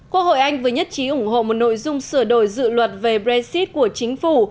quốc hội anh vừa nhất trí ủng hộ một nội dung sửa đổi dự luật về brexit của chính phủ